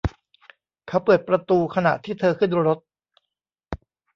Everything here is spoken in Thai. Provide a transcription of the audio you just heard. เขาเปิดประตูขณะที่เธอขึ้นรถ